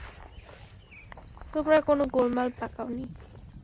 তোমরা কোনো গোলমাল পাকাওনি।